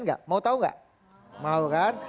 enggak mau tahu enggak mau kan